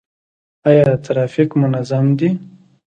آیا ټرافیک منظم دی؟